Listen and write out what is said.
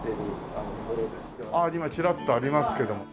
今チラッとありますけども。